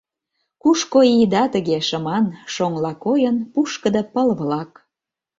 Кушко ийыда тыге шыман, Шоҥла койын, пушкыдо пыл-влак?